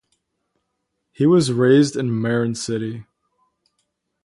He was raised in Marin City.